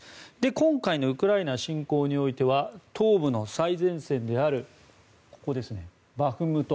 今回のウクライナ侵攻においては東部の最前線であるバフムト。